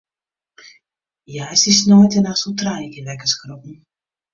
Hja is dy sneintenachts wol trije kear wekker skrokken.